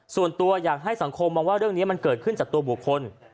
ส่วนตัวอยากให้สังคมมองว่าเรื่องนี้มันเกิดขึ้นจากตัวบุคคล